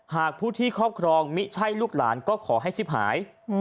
หากผู้ที่ครอบครองมิใช่ลูกหลานก็ขอให้ชิบหาย